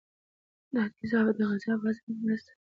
دا تیزاب د غذا په هضم کې مرسته کوي.